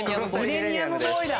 ミレニアムボーイだ。